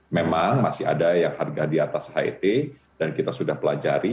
memang masih ada yang harga di atas het dan kita sudah pelajari